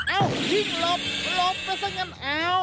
เอ้ายิงหลบหลบไปซะกันเอ้า